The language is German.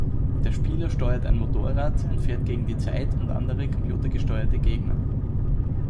Der Spieler steuert ein Motorrad und fährt gegen die Zeit und andere computergesteuerte Gegner.